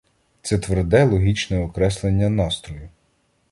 Це тверде, логічне окреслення настрою.